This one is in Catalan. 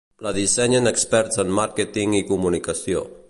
La dissenyen experts en màrqueting i comunicació.